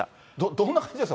どんな感じでした？